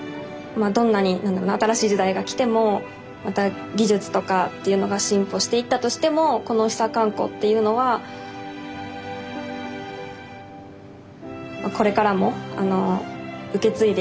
まあどんなになんだろな新しい時代が来てもまた技術とかっていうのが進歩していったとしてもこの指差喚呼っていうのはこれからも受け継いでいかなければならない。